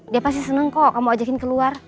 dia pasti senang kok kamu ajakin keluar